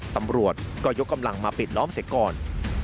ตำรวจก็ยกกำลังมาปิดล้อมเสร็จก่อน